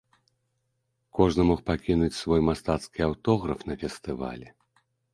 Кожны мог пакінуць свой мастацкі аўтограф на фестывалі.